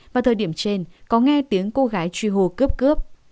vào thời điểm trên có nghe tiếng cô gái truy hô cướp cướp